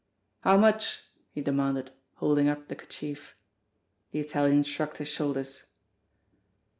"How much ?" he demanded, holding up the kerchief. The Italian shrugged his shoulders.